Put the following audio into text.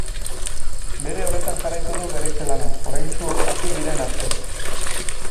Bere horretan jarraitu du berritze-lanak oraintsu hasi diren arte.